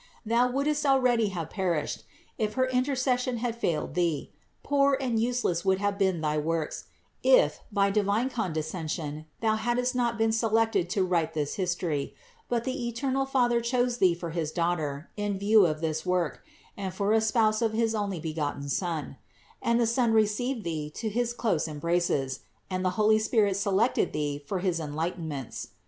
Thou wouldst already have perished, if her intercession had failed thee; poor and useless would have been thy works, if, by divine con descension, thou hadst not been selected to write this history, but the eternal Father chose thee for his daugh ter, in view of this work, and for a spouse of his Onlybe gotten Son ; and the Son received thee to his close em braces, and the Holy Spirit selected thee for his enlight enments.